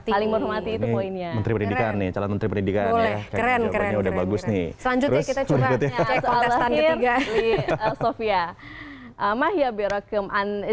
jadi menanamkan diri